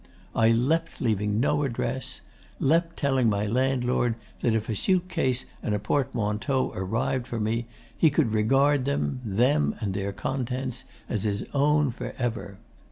I leapt leaving no address leapt telling my landlord that if a suit case and a portmanteau arrived for me he could regard them, them and their contents, as his own for ever.